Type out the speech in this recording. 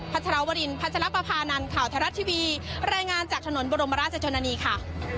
ชรวรินพัชรปภานันข่าวไทยรัฐทีวีรายงานจากถนนบรมราชชนนานีค่ะ